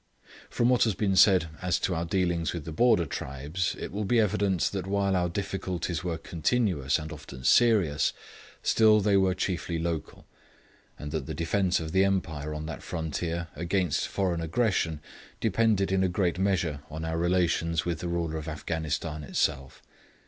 From what has been said as to our dealings with the border tribes, it will be evident that while our difficulties were continuous and often serious, still, they were chiefly local; and that the defence of the Empire on that frontier against foreign aggression depended in a great measure on our relations with the ruler of Afghanistan itself.